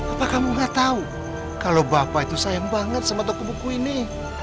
apa kamu gak tahu kalau bapak itu sayang banget sama toko buku ini